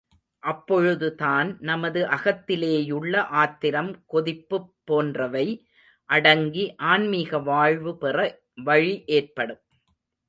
அப்பொழுதுதான் நமது அகத்திலேயுள்ள ஆத்திரம் கொதிப்புப் போன்றவை அடங்கி ஆன்மீக வாழ்வு பெற வழி ஏற்படும்.